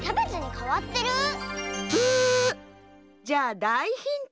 じゃあだいヒント。